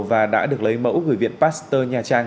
và đã được lấy mẫu gửi viện pasteur nha trang